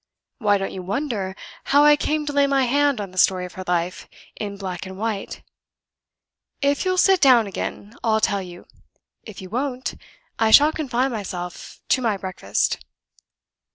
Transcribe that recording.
Why don't you wonder how I came to lay my hand on the story of her life, in black and white? If you'll sit down again, I'll tell you. If you won't, I shall confine myself to my breakfast."